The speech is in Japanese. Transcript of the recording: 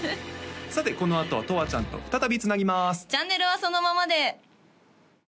さてこのあとはとわちゃんと再びつなぎます